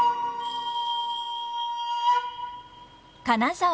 金沢